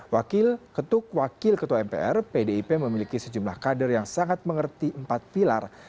wakil ketuk wakil ketua mpr pdip memiliki sejumlah kader yang sangat mengerti empat pilar